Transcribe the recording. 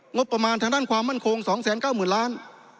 งบประมาณทางด้านความมั่นคง๒๙๐๐๐ล้าน